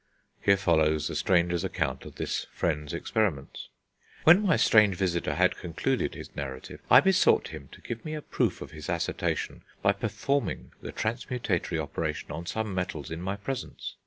Here follows the stranger's account of this friend's experiments. "When my strange visitor had concluded his narrative, I besought him to give me a proof of his assertion, by performing the transmutatory operation on some metals in my presence.